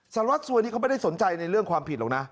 สารวัสซัวนี่เขาไม่ได้สนใจในเรื่องความผิดหรอกนะ